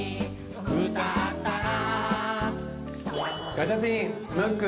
ガチャピンムック